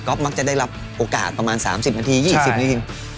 มักจะได้รับโอกาสประมาณ๓๐นาที๒๐นาที